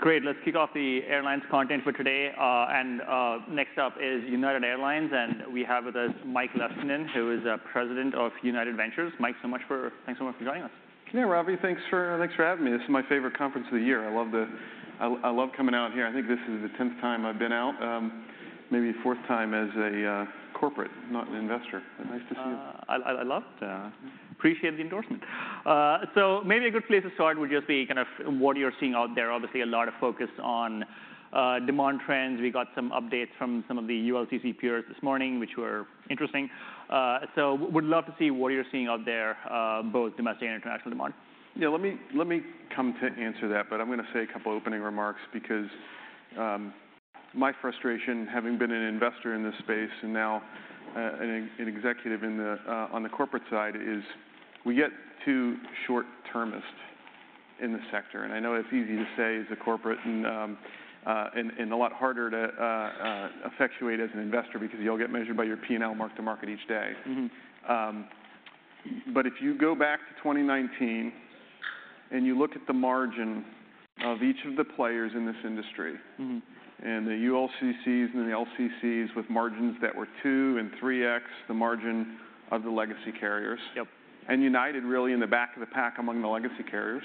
Great. Let's kick off the airlines content for today. Next up is United Airlines, and we have with us Mike Leskinen, who is the President of United Ventures. Mike, thanks so much for joining us. Yeah, Ravi, thanks for, thanks for having me. This is my favorite conference of the year. I love the... I, I love coming out here. I think this is the tenth time I've been out, maybe fourth time as a corporate, not an investor. Nice to see you. I love it, appreciate the endorsement. Maybe a good place to start would just be kind of what you're seeing out there. Obviously, a lot of focus on demand trends. We got some updates from some of the ULCC peers this morning, which were interesting. Would love to see what you're seeing out there, both domestic and international demand. Yeah, let me come to answer that, but I'm gonna say a couple of opening remarks because my frustration, having been an investor in this space and now an executive in the on the corporate side, is we get too short-termist in the sector. And I know it's easy to say as a corporate and a lot harder to effectuate as an investor because you all get measured by your P&L mark to market each day. Mm-hmm. But if you go back to 2019, and you look at the margin of each of the players in this industry- Mm-hmm. - and the ULCCs and the LCCs with margins that were 2x and 3x the margin of the legacy carriers. Yep. United really in the back of the pack among the legacy carriers.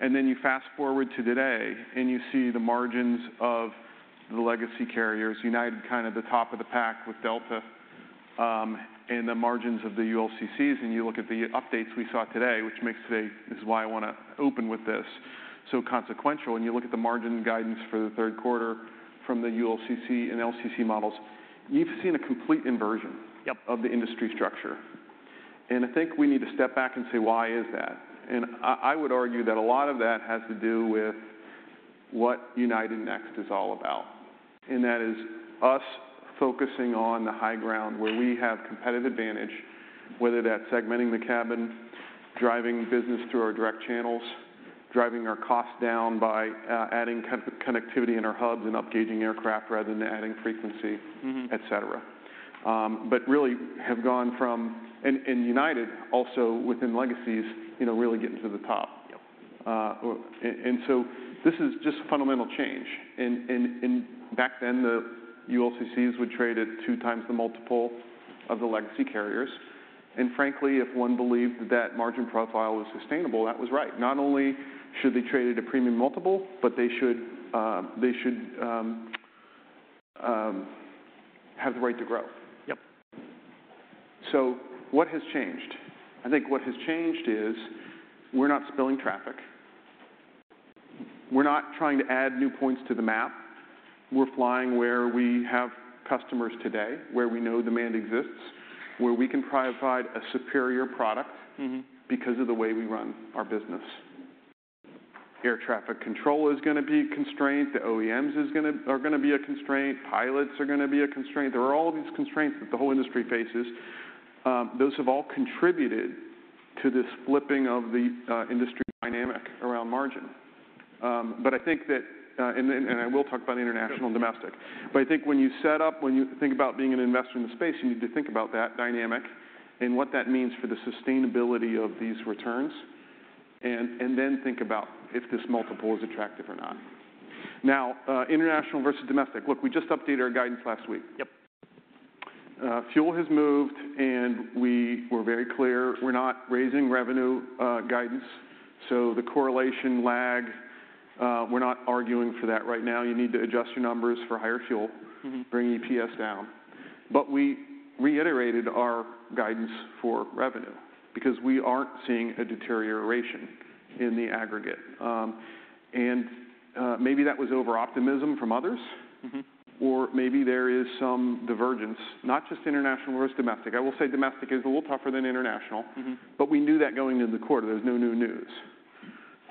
And then you fast-forward to today, and you see the margins of the legacy carriers, United, kind of the top of the pack with Delta, and the margins of the ULCCs, and you look at the updates we saw today, which makes today... This is why I want to open with this, so consequential, and you look at the margin guidance for the third quarter from the ULCC and LCC models, you've seen a complete inversion- Yep... of the industry structure. And I think we need to step back and say, "Why is that?" And I would argue that a lot of that has to do with what United Next is all about, and that is us focusing on the high ground where we have competitive advantage, whether that's segmenting the cabin, driving business through our direct channels, driving our costs down by adding connectivity in our hubs and upgauging aircraft rather than adding frequency- Mm-hmm... et cetera. But really have gone from... And United also within legacies, you know, really getting to the top. Yep. This is just a fundamental change. Back then, the ULCCs would trade at 2x the multiple of the legacy carriers, and frankly, if one believed that margin profile was sustainable, that was right. Not only should they trade at a premium multiple, but they should have the right to grow. Yep. So what has changed? I think what has changed is we're not spilling traffic. We're not trying to add new points to the map. We're flying where we have customers today, where we know demand exists, where we can provide a superior product. Mm-hmm... because of the way we run our business. Air traffic control is gonna be a constraint, the OEMs is gonna—are gonna be a constraint, pilots are gonna be a constraint. There are all of these constraints that the whole industry faces. Those have all contributed to this flipping of the industry dynamic around margin. But I think that, and then, and I will talk about international- Yep... and domestic. But I think when you set up, when you think about being an investor in the space, you need to think about that dynamic and what that means for the sustainability of these returns, and, and then think about if this multiple is attractive or not. Now, international versus domestic. Look, we just updated our guidance last week. Yep. Fuel has moved, and we were very clear we're not raising revenue guidance, so the correlation lag, we're not arguing for that right now. You need to adjust your numbers for higher fuel- Mm-hmm... bring EPS down. But we reiterated our guidance for revenue because we aren't seeing a deterioration in the aggregate. Maybe that was overoptimism from others- Mm-hmm... or maybe there is some divergence, not just international versus domestic. I will say domestic is a little tougher than international. Mm-hmm. But we knew that going into the quarter. There's no new news.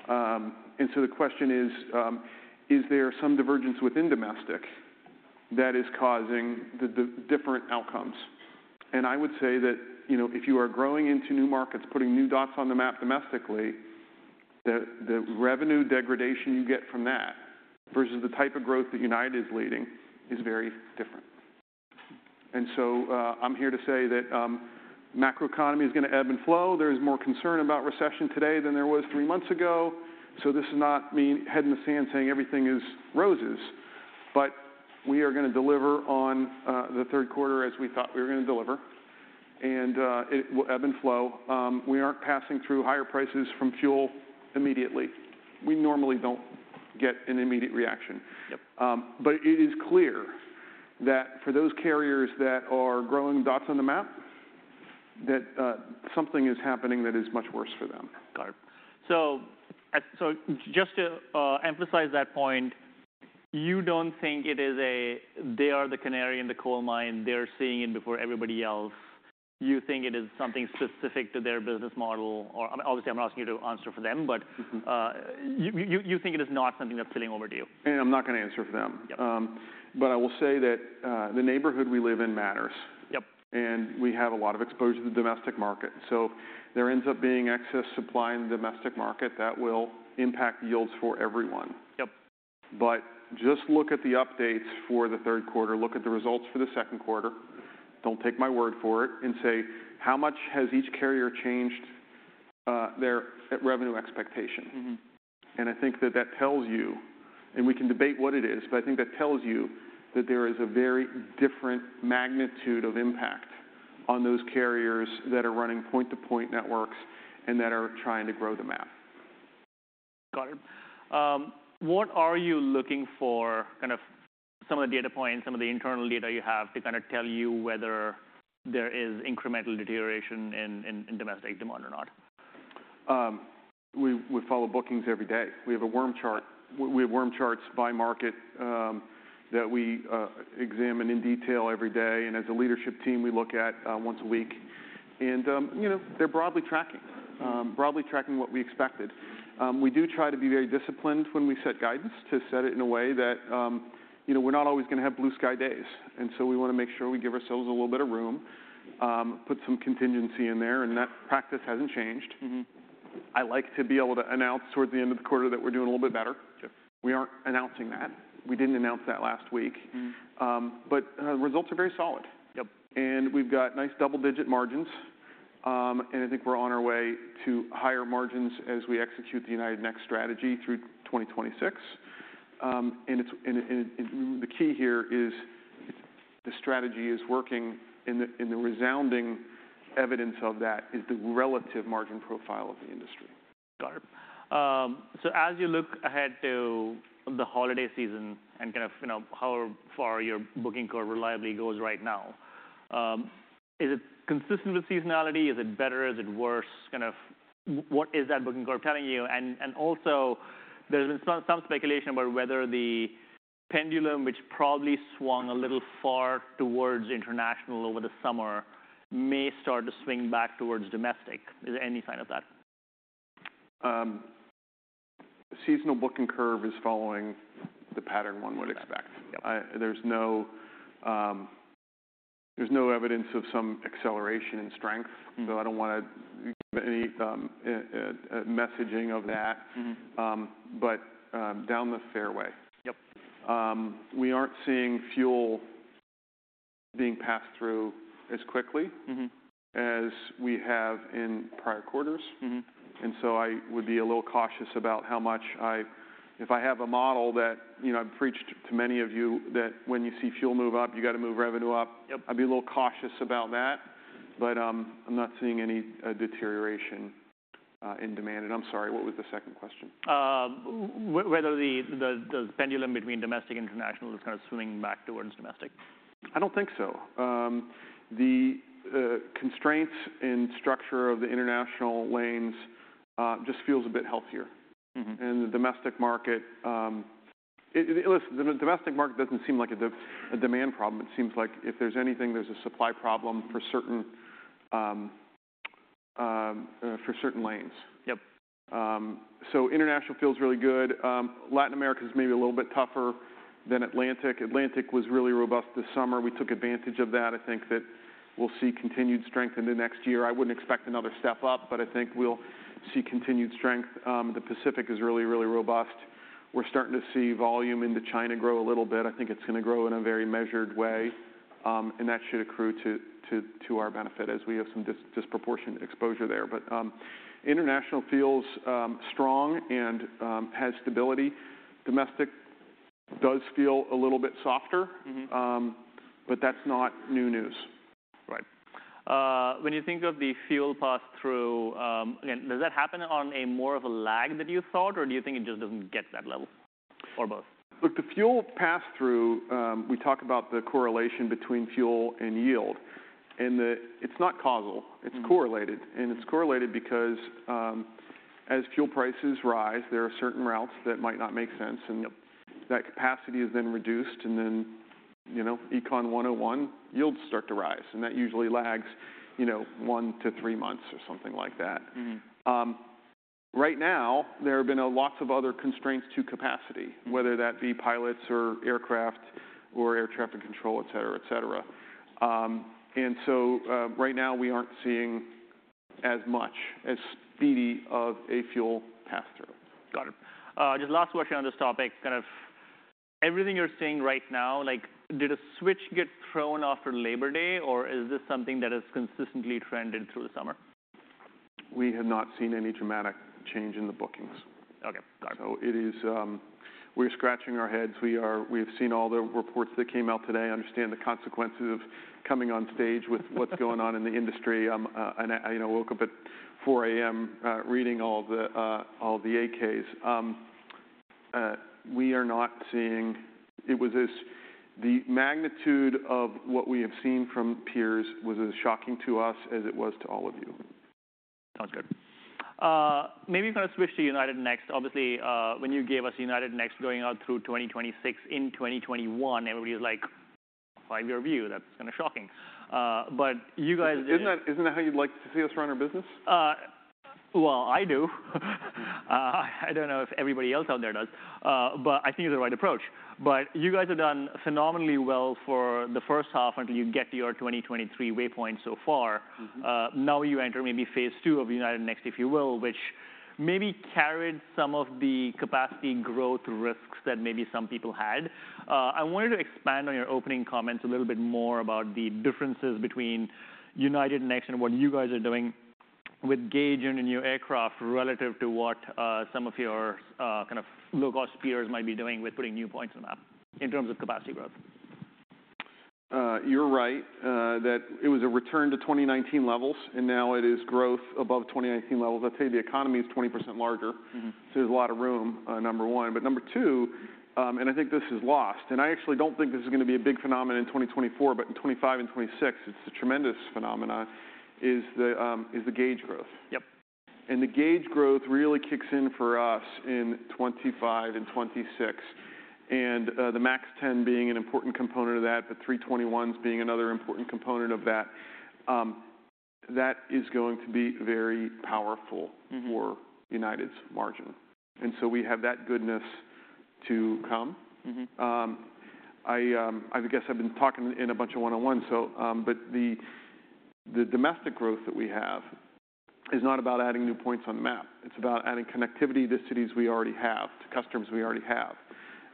And so the question is, Is there some divergence within domestic that is causing the different outcomes? And I would say that, you know, if you are growing into new markets, putting new dots on the map domestically, the revenue degradation you get from that versus the type of growth that United is leading is very different. And so, I'm here to say that macroeconomy is gonna ebb and flow. There is more concern about recession today than there was three months ago, so this is not me head in the sand saying everything is roses, but we are gonna deliver on the third quarter as we thought we were gonna deliver, and it will ebb and flow. We aren't passing through higher prices from fuel immediately. We normally don't get an immediate reaction. Yep. But it is clear that for those carriers that are growing dots on the map, that something is happening that is much worse for them. Got it. So, just to emphasize that point, you don't think it is a, they are the canary in the coal mine, they're seeing it before everybody else. You think it is something specific to their business model? Or obviously, I'm not asking you to answer for them, but- Mm-hmm You think it is not something that's spilling over to you? I'm not gonna answer for them. Yep. I will say that the neighborhood we live in matters. Yep. We have a lot of exposure to the domestic market, so there ends up being excess supply in the domestic market that will impact yields for everyone. Yep.... but just look at the updates for the third quarter. Look at the results for the second quarter. Don't take my word for it, and say, "How much has each carrier changed, their revenue expectation? Mm-hmm. I think that that tells you, and we can debate what it is, but I think that tells you that there is a very different magnitude of impact on those carriers that are running point-to-point networks and that are trying to grow the map. Got it. What are you looking for, kind of some of the data points, some of the internal data you have, to kind of tell you whether there is incremental deterioration in domestic demand or not? We follow bookings every day. We have a worm chart. We have worm chart by market that we examine in detail every day, and as a leadership team, we look at once a week. You know, they're broadly tracking- Mm. Broadly tracking what we expected. We do try to be very disciplined when we set guidance, to set it in a way that, you know, we're not always gonna have blue sky days, and so we wanna make sure we give ourselves a little bit of room, put some contingency in there, and that practice hasn't changed. Mm-hmm. I like to be able to announce towards the end of the quarter that we're doing a little bit better. Sure. We aren't announcing that. We didn't announce that last week. Mm. Results are very solid. Yep. And we've got nice double-digit margins, and I think we're on our way to higher margins as we execute the United Next strategy through 2026. And it's... And the key here is the strategy is working, and the resounding evidence of that is the relative margin profile of the industry. Got it. So as you look ahead to the holiday season and kind of, you know, how far your booking curve reliably goes right now, is it consistent with seasonality? Is it better? Is it worse? Kind of what is that booking curve telling you? And also, there's been some speculation about whether the pendulum, which probably swung a little far towards international over the summer, may start to swing back towards domestic. Is there any sign of that? Seasonal booking curve is following the pattern one would expect. Yep. There's no evidence of some acceleration in strength, though I don't wanna give any messaging of that. Mm-hmm. Down the fairway. Yep. We aren't seeing fuel being passed through as quickly- Mm-hmm... as we have in prior quarters. Mm-hmm. I would be a little cautious about how much. If I have a model that, you know, I've preached to many of you, that when you see fuel move up, you gotta move revenue up- Yep... I'd be a little cautious about that, but I'm not seeing any deterioration in demand. I'm sorry, what was the second question? Whether the pendulum between domestic and international is kind of swinging back towards domestic. I don't think so. The constraints in structure of the international lanes just feels a bit healthier. Mm-hmm. And the domestic market. Listen, the domestic market doesn't seem like a demand problem. It seems like, if there's anything, there's a supply problem for certain lanes. Yep. So international feels really good. Latin America's maybe a little bit tougher than Atlantic. Atlantic was really robust this summer. We took advantage of that. I think that we'll see continued strength into next year. I wouldn't expect another step up, but I think we'll see continued strength. The Pacific is really, really robust. We're starting to see volume into China grow a little bit. I think it's gonna grow in a very measured way, and that should accrue to our benefit, as we have some disproportionate exposure there. But international feels strong and has stability. Domestic does feel a little bit softer. Mm-hmm. But that's not new news. Right. When you think of the fuel pass-through, again, does that happen on a more of a lag than you thought, or do you think it just doesn't get that level, or both? Look, the fuel pass-through. We talk about the correlation between fuel and yield, and it's not causal. Mm. It's correlated, and it's correlated because, as fuel prices rise, there are certain routes that might not make sense- Yep... and that capacity is then reduced, and then, you know, Econ 101, yields start to rise, and that usually lags, you know, one month-three months or something like that. Mm-hmm. Right now, there have been, lots of other constraints to capacity- Mm... whether that be pilots or aircraft or air traffic control, et cetera, et cetera. So, right now we aren't seeing as speedy a fuel pass-through. Got it. Just last question on this topic. Kind of everything you're seeing right now, like, did a switch get thrown after Labor Day, or is this something that has consistently trended through the summer? We have not seen any dramatic change in the bookings. Okay. Got it. So it is. We're scratching our heads. We have seen all the reports that came out today, understand the consequences of coming on stage with what's going on in the industry. And I, you know, woke up at 4:00 A.M., reading all the 8-Ks. The magnitude of what we have seen from peers was as shocking to us as it was to all of you. Sounds good. Maybe kind of switch to United Next. Obviously, when you gave us United Next going out through 2026 in 2021, everybody was like, "Revise your view. That's kind of shocking." But you guys- Isn't that, isn't that how you'd like to see us run our business? Well, I do. I don't know if everybody else out there does, but I think it's the right approach. But you guys have done phenomenally well for the first half, until you get to your 2023 waypoint so far. Mm-hmm. Now you enter maybe phase two of United Next, if you will, maybe carried some of the capacity growth risks that maybe some people had. I wanted to expand on your opening comments a little bit more about the differences between United Next and what you guys are doing with upgauging in your new aircraft relative to what some of your kind of low-cost peers might be doing with putting new points on the map in terms of capacity growth. You're right, that it was a return to 2019 levels, and now it is growth above 2019 levels. I'd say the economy is 20% larger. Mm-hmm. So there's a lot of room, number one. But number two, and I think this is lost, and I actually don't think this is gonna be a big phenomenon in 2024, but in 2025 and 2026, it's a tremendous phenomena, is the, is the upgauging. Yep. The gauge growth really kicks in for us in 2025 and 2026, and the MAX 10 being an important component of that, the 321s being another important component of that. That is going to be very powerful- Mm-hmm... for United's margin, and so we have that goodness to come. Mm-hmm. I guess I've been talking in a bunch of one-on-ones, so, but the domestic growth that we have is not about adding new points on the map. It's about adding connectivity to cities we already have, to customers we already have,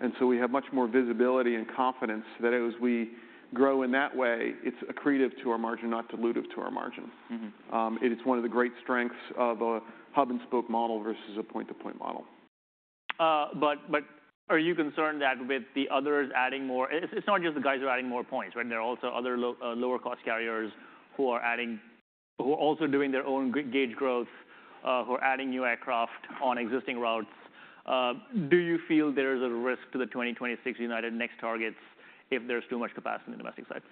and so we have much more visibility and confidence that as we grow in that way, it's accretive to our margin, not dilutive to our margin. Mm-hmm. It is one of the great strengths of a hub-and-spoke model versus a point-to-point model. But are you concerned that with the others adding more... It's not just the guys who are adding more points, right? There are also other low, lower-cost carriers who are adding—who are also doing their own upgauging growth, who are adding new aircraft on existing routes. Do you feel there's a risk to the 2026 United Next targets if there's too much capacity on the domestic side?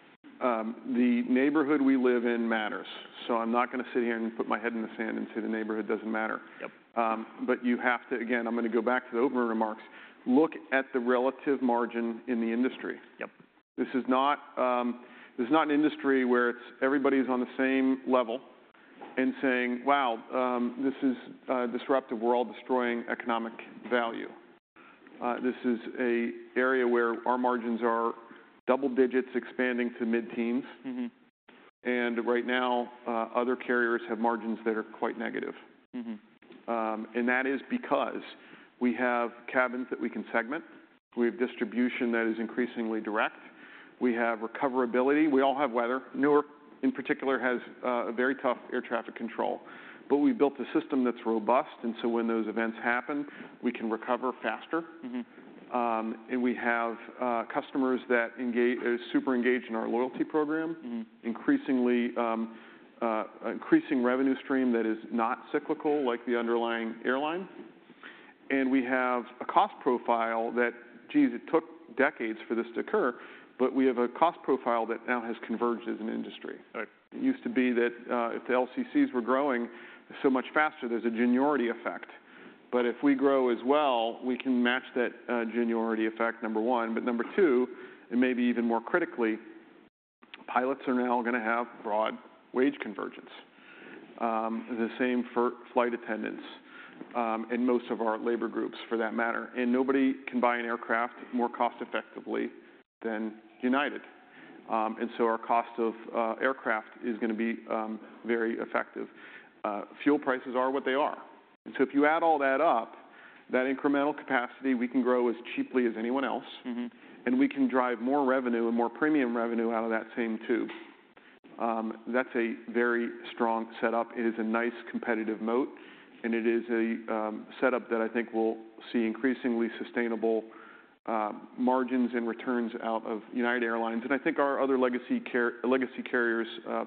The neighborhood we live in matters, so I'm not gonna sit here and put my head in the sand and say the neighborhood doesn't matter. Yep. But you have to, again, I'm gonna go back to the opening remarks, look at the relative margin in the industry. Yep. This is not an industry where it's everybody's on the same level and saying, "Wow, this is disruptive. We're all destroying economic value." This is an area where our margins are double digits expanding to mid-teens. Mm-hmm. Right now, other carriers have margins that are quite negative. Mm-hmm. and that is because we have cabins that we can segment. We have distribution that is increasingly direct. We have recoverability. We all have weather. Newark, in particular, has a very tough air traffic control, but we've built a system that's robust, and so when those events happen, we can recover faster. Mm-hmm. We have customers that are super engaged in our loyalty program. Mm-hmm. Increasingly, increasing revenue stream that is not cyclical, like the underlying airline, and we have a cost profile that, geez, it took decades for this to occur, but we have a cost profile that now has converged as an industry. Right. It used to be that, if the LCCs were growing so much faster, there's a seniority effect. But if we grow as well, we can match that, seniority effect, number one, but number two, and maybe even more critically, pilots are now gonna have broad wage convergence. The same for flight attendants, and most of our labor groups, for that matter, and nobody can buy an aircraft more cost-effectively than United. And so our cost of, aircraft is gonna be, very effective. Fuel prices are what they are. And so if you add all that up, that incremental capacity, we can grow as cheaply as anyone else- Mm-hmm... and we can drive more revenue and more premium revenue out of that same tube. That's a very strong setup. It is a nice competitive moat, and it is a setup that I think we'll see increasingly sustainable margins and returns out of United Airlines. And I think our other legacy carriers,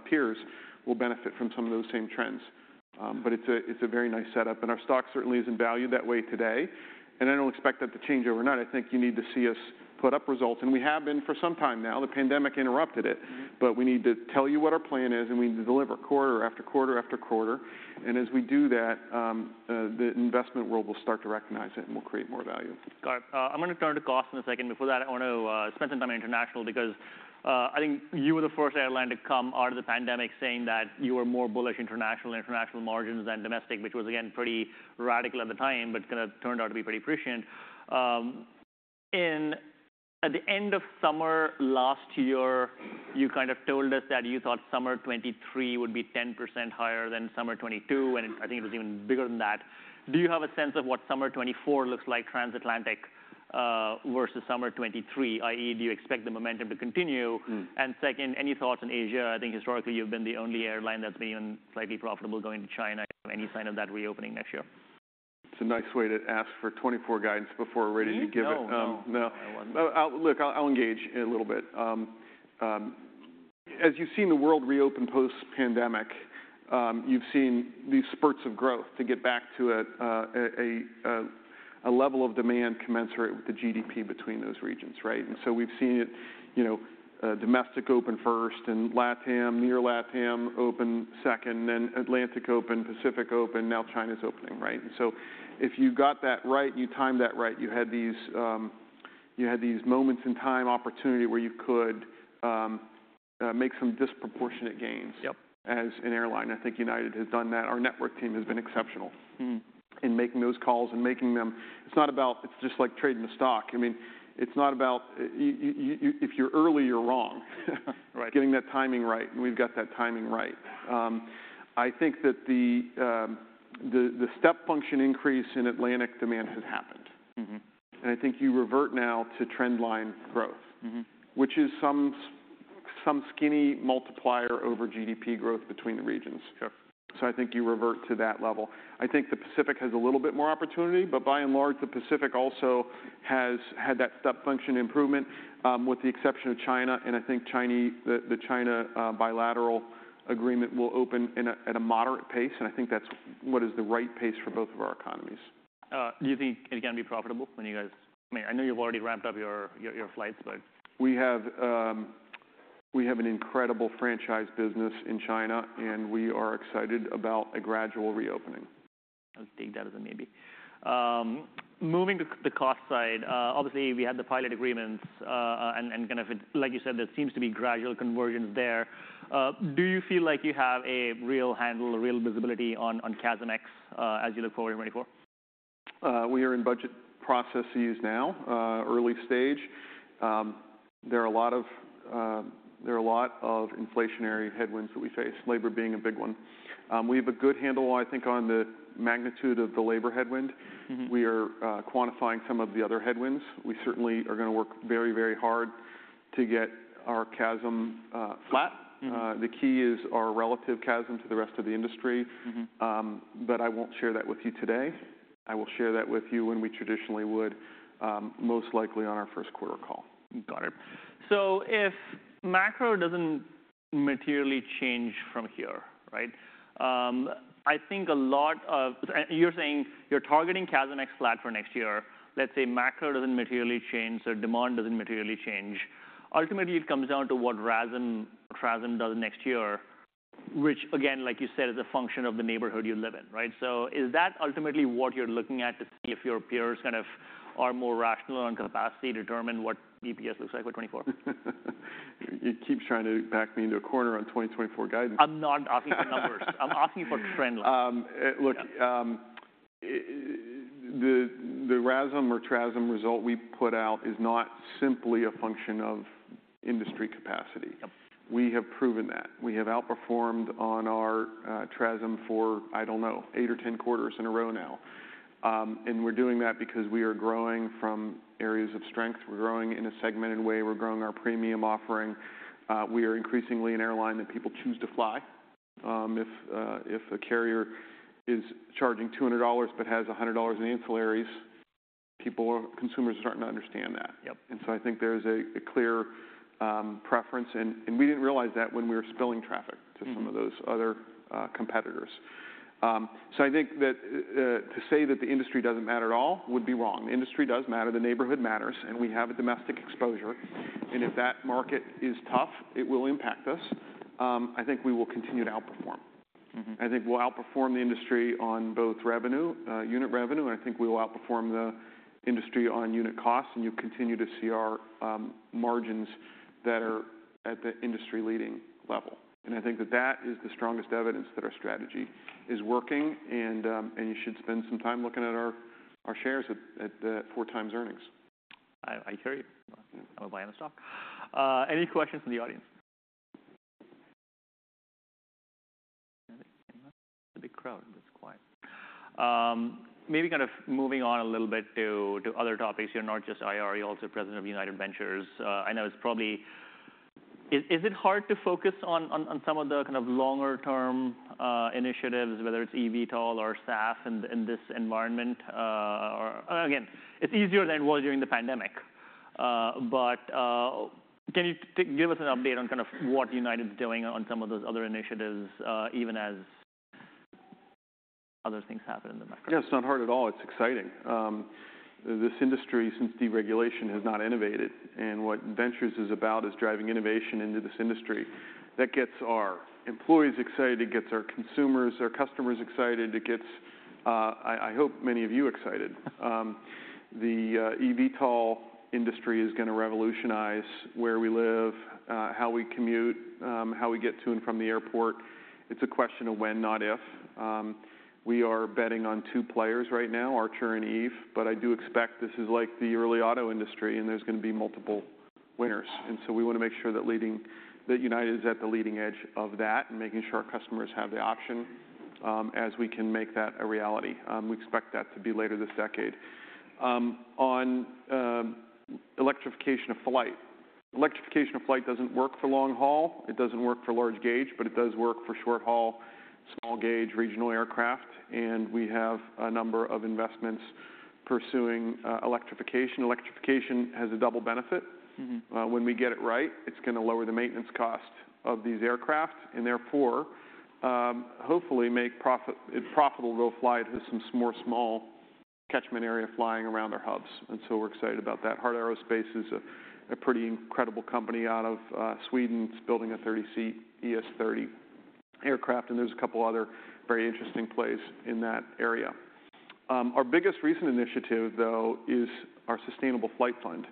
peers, will benefit from some of those same trends. But it's a, it's a very nice setup, and our stock certainly isn't valued that way today, and I don't expect that to change overnight. I think you need to see us put up results, and we have been for some time now. The pandemic interrupted it- Mm-hmm... but we need to tell you what our plan is, and we need to deliver quarter after quarter after quarter. As we do that, the investment world will start to recognize it, and we'll create more value. Got it. I'm gonna turn to cost in a second. Before that, I want to spend some time on international because I think you were the first airline to come out of the pandemic saying that you were more bullish international, international margins than domestic, which was, again, pretty radical at the time, but kind of turned out to be pretty prescient. In... at the end of summer last year, you kind of told us that you thought summer 2023 would be 10% higher than summer 2022, and I think it was even bigger than that. Do you have a sense of what summer 2024 looks like transatlantic versus summer 2023, i.e., do you expect the momentum to continue? Hmm. Second, any thoughts on Asia? I think historically, you've been the only airline that's been slightly profitable going to China. Any sign of that reopening next year? It's a nice way to ask for 2024 guidance before we're ready to give it. Me? No, no. No. Look, I'll engage it a little bit. As you've seen the world reopen post-pandemic, you've seen these spurts of growth to get back to a level of demand commensurate with the GDP between those regions, right? And so we've seen it, you know, domestic open first and LatAm, near LatAm open second, then Atlantic open, Pacific open, now China's opening, right? And so if you got that right, you timed that right, you had these moments in time, opportunity where you could make some disproportionate gains- Yep... as an airline. I think United has done that. Our network team has been exceptional- Mm... in making those calls and making them. It's not about. It's just like trading a stock. I mean, it's not about if you're early, you're wrong, Right. Getting that timing right, and we've got that timing right. I think that the step function increase in Atlantic demand has happened.... mm-hmm, and I think you revert now to trend line growth. Mm-hmm. Which is some skinny multiplier over GDP growth between the regions. Sure. So I think you revert to that level. I think the Pacific has a little bit more opportunity, but by and large, the Pacific also has had that step function improvement, with the exception of China, and I think the China bilateral agreement will open in a, at a moderate pace, and I think that's what is the right pace for both of our economies. Do you think it can be profitable when you guys... I mean, I know you've already ramped up your flights, but- We have, we have an incredible franchise business in China, and we are excited about a gradual reopening. I'll take that as a maybe. Moving to the cost side, obviously, we had the pilot agreements, and, and kind of like you said, there seems to be gradual convergence there. Do you feel like you have a real handle or real visibility on, on CASM-ex, as you look forward in 2024? We are in budget processes now, early stage. There are a lot of inflationary headwinds that we face, labor being a big one. We have a good handle, I think, on the magnitude of the labor headwind. Mm-hmm. We are, quantifying some of the other headwinds. We certainly are gonna work very, very hard to get our CASM, flat. Mm-hmm. The key is our relative CASM to the rest of the industry. Mm-hmm. But I won't share that with you today. I will share that with you when we traditionally would, most likely on our first quarter call. Got it. So if macro doesn't materially change from here, right? I think you're saying you're targeting CASM ex flat for next year. Let's say macro doesn't materially change, so demand doesn't materially change. Ultimately, it comes down to what RASM, TRASM does next year, which again, like you said, is a function of the neighborhood you live in, right? So is that ultimately what you're looking at to see if your peers kind of are more rational on capacity to determine what EPS looks like for 2024? You keep trying to back me into a corner on 2024 guidance. I'm not asking for numbers. I'm asking for trend line. Look, the RASM or TRASM result we put out is not simply a function of industry capacity. Yep. We have proven that. We have outperformed on our TRASM for, I don't know, eight or 10 quarters in a row now. We're doing that because we are growing from areas of strength. We're growing in a segmented way. We're growing our premium offering. We are increasingly an airline that people choose to fly. If a carrier is charging $200 but has $100 in ancillaries, people or consumers are starting to understand that. Yep. And so I think there's a clear preference, and we didn't realize that when we were spilling traffic- Mm... to some of those other, competitors. So I think that, to say that the industry doesn't matter at all would be wrong. The industry does matter, the neighborhood matters, and we have a domestic exposure, and if that market is tough, it will impact us. I think we will continue to outperform. Mm-hmm. I think we'll outperform the industry on both revenue, unit revenue, and I think we will outperform the industry on unit costs, and you continue to see our, margins that are at the industry-leading level. And I think that that is the strongest evidence that our strategy is working, and, and you should spend some time looking at our, our shares at, at the 4x earnings. I hear you. I will buy on the stock. Any questions from the audience? It's a big crowd, but it's quiet. Maybe kind of moving on a little bit to other topics. You're not just IR, you're also President of United Ventures. I know it's probably... Is it hard to focus on some of the kind of longer-term initiatives, whether it's eVTOL or SAF in this environment? Or again, it's easier than it was during the pandemic, but can you give us an update on kind of what United's doing on some of those other initiatives, even as other things happen in the market? Yeah, it's not hard at all. It's exciting. This industry, since deregulation, has not innovated, and what Ventures is about is driving innovation into this industry. That gets our employees excited, it gets our consumers, our customers excited. It gets, I hope many of you excited. The eVTOL industry is gonna revolutionize where we live, how we commute, how we get to and from the airport. It's a question of when, not if. We are betting on two players right now, Archer and Eve, but I do expect this is like the early auto industry, and there's gonna be multiple winners. And so we wanna make sure that United is at the leading edge of that, and making sure our customers have the option, as we can make that a reality. We expect that to be later this decade. On electrification of flight. Electrification of flight doesn't work for long haul, it doesn't work for large gauge, but it does work for short haul, small gauge, regional aircraft, and we have a number of investments pursuing electrification. Electrification has a double benefit. Mm-hmm. When we get it right, it's gonna lower the maintenance cost of these aircraft, and therefore, hopefully make it profitable to fly to some more small catchment area flying around our hubs. And so we're excited about that. Heart Aerospace is a pretty incredible company out of Sweden. It's building a 30-seat ES-30 aircraft, and there's a couple other very interesting plays in that area. Our biggest recent initiative, though, is our sustainable flight fund,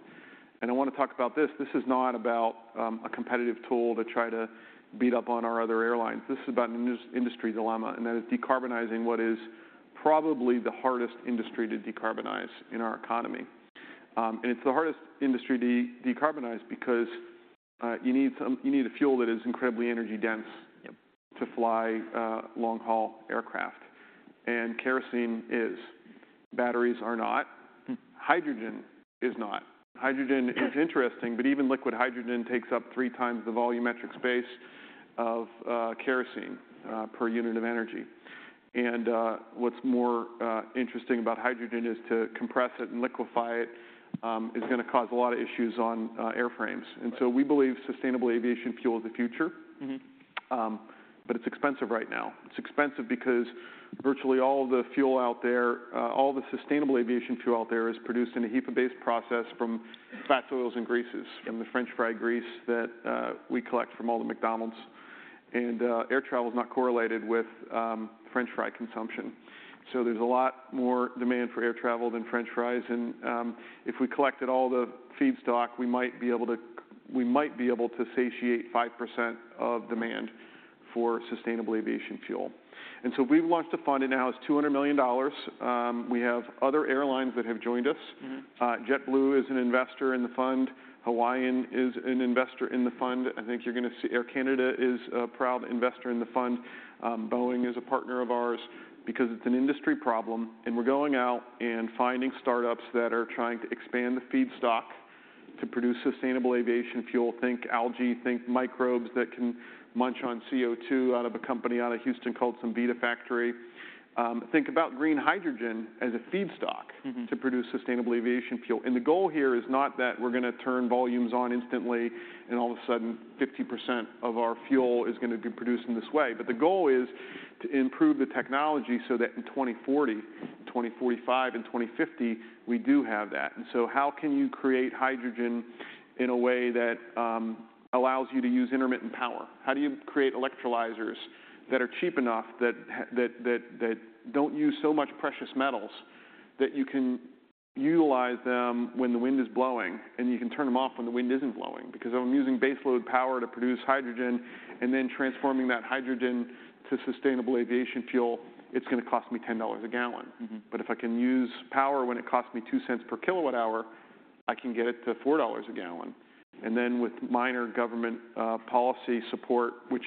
and I wanna talk about this. This is not about a competitive tool to try to beat up on our other airlines. This is about an industry dilemma, and that is decarbonizing what is probably the hardest industry to decarbonize in our economy. And it's the hardest industry to decarbonize because you need a fuel that is incredibly energy-dense- Yep. to fly long-haul aircraft, and kerosene is. Batteries are not. Mm. Hydrogen is not. Hydrogen is interesting, but even liquid hydrogen takes up three times the volumetric space of kerosene per unit of energy. What's more interesting about hydrogen is to compress it and liquefy it is gonna cause a lot of issues on airframes. Right. We believe Sustainable Aviation Fuel is the future. Mm-hmm. It's expensive right now. It's expensive because virtually all of the fuel out there, all the sustainable aviation fuel out there is produced in a HEFA-based process from fats, oils and greases- Yep and the french fry grease that we collect from all the McDonald's. And air travel is not correlated with french fry consumption. So there's a lot more demand for air travel than french fries, and if we collected all the feedstock, we might be able to satiate 5% of demand for sustainable aviation fuel. And so we've launched a fund, and now it's $200 million. We have other airlines that have joined us. Mm-hmm. JetBlue is an investor in the fund. Hawaiian is an investor in the fund. I think you're gonna see Air Canada is a proud investor in the fund. Boeing is a partner of ours because it's an industry problem, and we're going out and finding startups that are trying to expand the feedstock to produce sustainable aviation fuel. Think algae, think microbes that can munch on CO2 out of a company out of Houston called Cemvita Factory. Think about green hydrogen as a feedstock- Mm-hmm... to produce sustainable aviation fuel. The goal here is not that we're gonna turn volumes on instantly, and all of a sudden, 50% of our fuel is gonna be produced in this way. But the goal is to improve the technology so that in 2040, 2045, and 2050, we do have that. So how can you create hydrogen in a way that allows you to use intermittent power? How do you create electrolyzers that are cheap enough, that don't use so much precious metals, that you can utilize them when the wind is blowing, and you can turn them off when the wind isn't blowing? Because if I'm using baseload power to produce hydrogen and then transforming that hydrogen to sustainable aviation fuel, it's gonna cost me $10 a gallon. Mm-hmm. But if I can use power when it costs me $0.02 per kWh, I can get it to $4 a gallon. And then with minor government policy support, which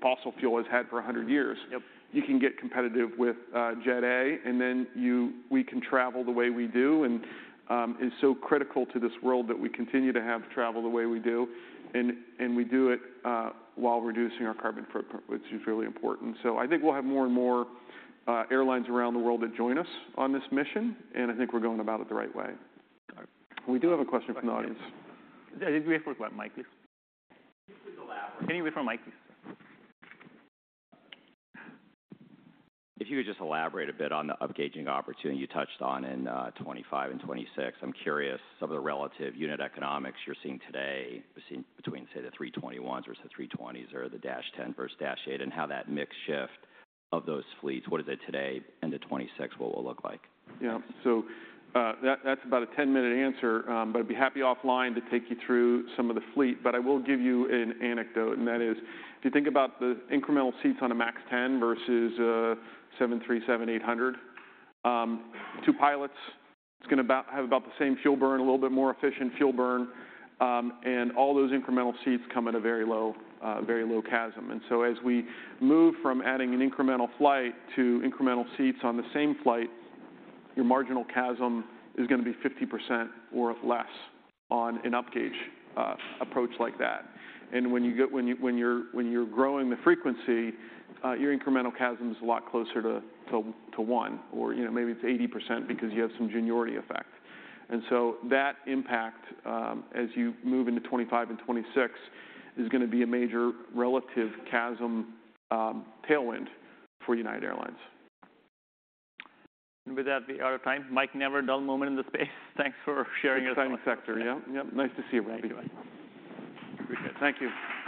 fossil fuel has had for 100 years- Yep... you can get competitive with Jet A, and then you—we can travel the way we do. And it's so critical to this world that we continue to have travel the way we do, and we do it while reducing our carbon footprint, which is really important. So I think we'll have more and more airlines around the world that join us on this mission, and I think we're going about it the right way. All right. We do have a question from the audience. Yeah, we have for what, Mike? Please elaborate. Can you wait for Mike? If you could just elaborate a bit on the upgauging opportunity you touched on in 2025 and 2026. I'm curious of the relative unit economics you're seeing today between, say, the 321s or the 320s or the -10 versus -8, and how that mix shift of those fleets, what is it today, and the 2026, what will it look like? Yeah. So, that's about a 10-minute answer. But I'd be happy offline to take you through some of the fleet. But I will give you an anecdote, and that is, if you think about the incremental seats on a MAX 10 versus a 737-800, two pilots, it's gonna have about the same fuel burn, a little bit more efficient fuel burn. And all those incremental seats come at a very low, very low CASM. And so as we move from adding an incremental flight to incremental seats on the same flight, your marginal CASM is gonna be 50% or less on an upgauge approach like that. When you're growing the frequency, your incremental CASM is a lot closer to one, or you know, maybe it's 80% because you have some synergy effect. So that impact, as you move into 2025 and 2026, is gonna be a major relative CASM tailwind for United Airlines. With that, we are out of time. Mike, never a dull moment in the space. Thanks for sharing as well. Exciting sector. Yep, yep. Nice to see you, Mike. Appreciate it. Thank you.